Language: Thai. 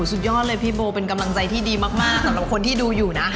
สุดยอดเลยพี่โบเป็นกำลังใจที่ดีมากสำหรับคนที่ดูอยู่นะ